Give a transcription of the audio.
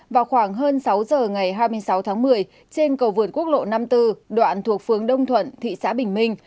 vào khoảng hơn sáu giờ ngày hai mươi sáu tháng một mươi trên cầu vượt quốc lộ năm mươi bốn đoạn thuộc phương đông thuận thị xã bình minh